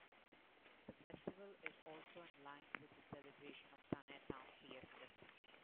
The festival is also in line with the celebration of Tanay Town Fiesta.